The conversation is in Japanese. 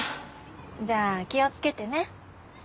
じゃあ気を付けてね。